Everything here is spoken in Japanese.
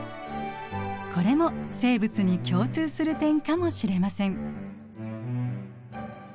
これも生物に共通する点かもしれません。